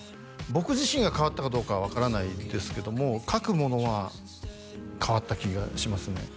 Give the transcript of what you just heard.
僕自身が変わったかどうかは分からないですけども書くものは変わった気がしますね